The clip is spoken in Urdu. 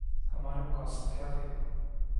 ہمارے مقاصد کیا تھے؟